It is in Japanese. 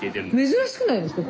珍しくないですか？